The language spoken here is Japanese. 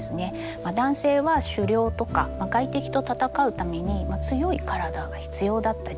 男性は狩猟とか外敵と戦うために強い体が必要だった時期が長かった。